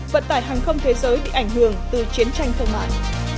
vận tải hàng không thế giới bị ảnh hưởng từ chiến tranh thương mại